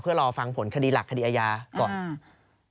เพื่อรอฟังผลคดีหลักคดีอาญาก่อน